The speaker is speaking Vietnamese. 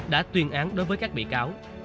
đã tuyên án đối với các bị cáo